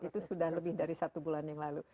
itu sudah lebih dari satu bulan yang lalu